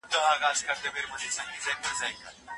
د معلولینو حقونه باید خوندي وي.